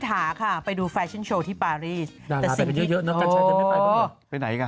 ดาราไปเยอะนะกันชายจะไม่ไปบ้าง